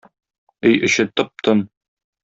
Өй эче тып-тын.